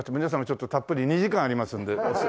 ちょっとたっぷり２時間ありますので。